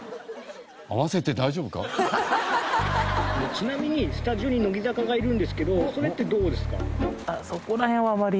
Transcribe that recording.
ちなみにスタジオに乃木坂がいるんですけどそれってどうですか？